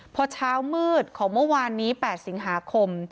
พอเช้ามืดของเมื่อวานนี้๘สิงหาคม